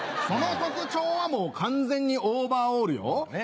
その特徴はもう完全にオーバーオールよ。